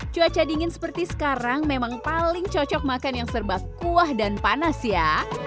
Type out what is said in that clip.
cuaca dingin seperti sekarang memang paling cocok makan yang serba kuah dan panas ya